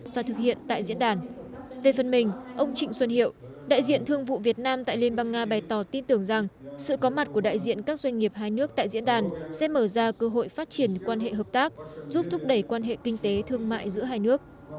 và thực hiện tại diễn đàn về phần mình ông trịnh xuân hiệu đại diện thương vụ việt nam tại liên bang nga bày tỏ tin tưởng rằng sự có mặt của đại diện các doanh nghiệp hai nước tại diễn đàn sẽ mở ra cơ hội phát triển quan hệ hợp tác giúp thúc đẩy quan hệ kinh tế thương mại giữa hai nước